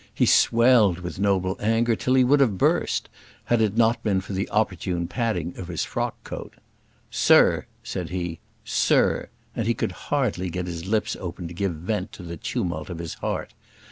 He swelled with noble anger till he would have burst, had it not been for the opportune padding of his frock coat. "Sir," said he; "sir:" and he could hardly get his lips open to give vent to the tumult of his heart.